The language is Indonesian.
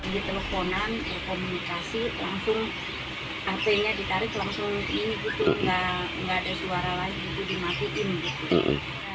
di teleponan komunikasi langsung ac nya ditarik langsung ini juga enggak ada suara lagi dimakuti